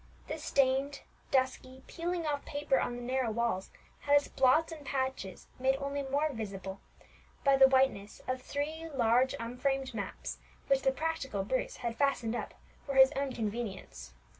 The stained, dusky, peeling off paper on the narrow walls had its blots and patches made only more visible by the whiteness of three large unframed maps, which the practical Bruce had fastened up for his own convenience.